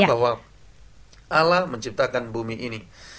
bahwa ala menciptakan bumi ini